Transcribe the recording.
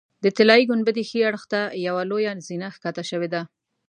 د طلایي ګنبدې ښي اړخ ته یوه لویه زینه ښکته شوې ده.